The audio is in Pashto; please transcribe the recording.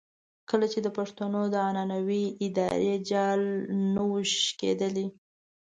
کله چې د پښتنو د عنعنوي ادارې جال نه وو شلېدلی.